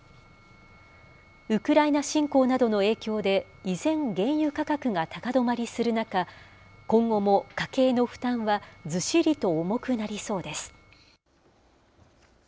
ウクライナ侵攻などの影響で、依然、原油価格が高止まりする中、今後も家計の負担はずしりと重くなりそうです。